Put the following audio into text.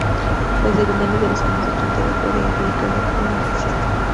Desde finales de los años ochenta dejó de identificarse como marxista.